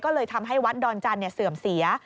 ก็เลยทำให้วัดดอนจันทร์เสื่อมเสีย